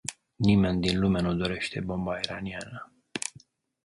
Nimeni din lume nu dorește bomba iraniană.